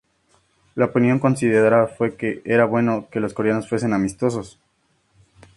La opinión considerada fue que era bueno que los coreanos fuesen 'amistosos.